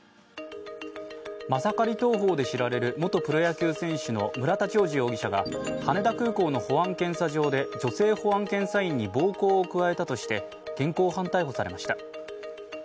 マサカリ投法で知られる元プロ野球選手の村田兆治容疑者が羽田空港の保安検査場で女性保安検査員に暴行を加えたとして現行犯逮捕されました。